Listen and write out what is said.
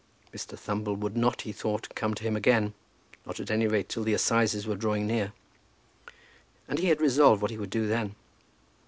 Mr. Thumble would not, he thought, come to him again, not, at any rate, till the assizes were drawing near. And he had resolved what he would do then.